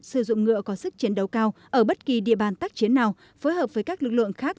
sử dụng ngựa có sức chiến đấu cao ở bất kỳ địa bàn tác chiến nào phối hợp với các lực lượng khác